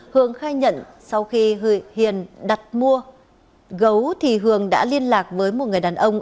hường khai nhận sau khi hiền đặt mua gấu thì hường đã liên lạc với một người đàn ông